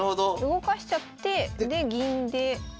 動かしちゃってで銀で角で。